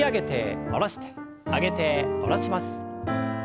上げて下ろします。